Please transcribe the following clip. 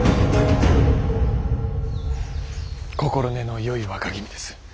心根のよい若君です。